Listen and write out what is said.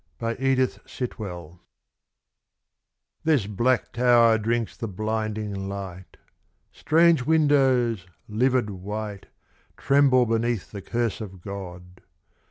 •u EDITH SITWELL. THE DRUNKARD. THIS black tower drinks the blinding light. Strange windows livid white, Tremble beneath the curse of God.